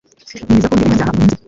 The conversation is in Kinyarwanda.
nyemeza ko ndi umunyabyaha Ngo Ninze